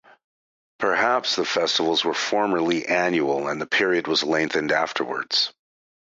Perhaps the festivals were formerly annual and the period was lengthened afterwards.